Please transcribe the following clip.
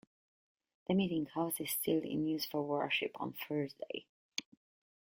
The Meeting House is still in use for worship on "First Day".